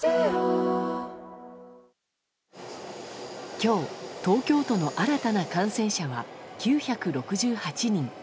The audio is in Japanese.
今日、東京都の新たな感染者は９６８人。